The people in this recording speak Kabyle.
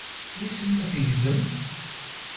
Wissen ma tegzamt.